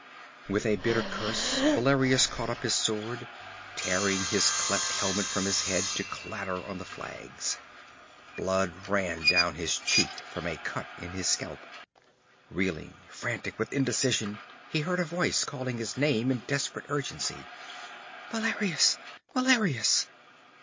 With a bitter curse Valerius caught up his sword, tearing his cleft helmet from his head to clatter on the flags; blood ran down his cheek from a cut in his scalp. Reeling, frantic with indecision, he heard a voice calling his name in desperate urgency: 'Valerius! _Valerius!